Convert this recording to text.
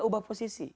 tiga ubah posisi